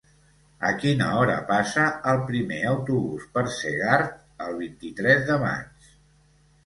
A quina hora passa el primer autobús per Segart el vint-i-tres de maig?